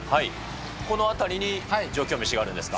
この辺りに上京メシがあるんですか。